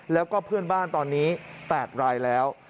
แล้วก็เพื่อนบ้านตอนนี้๘รายแล้ว